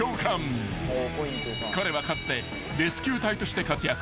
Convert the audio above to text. ［彼はかつてレスキュー隊として活躍］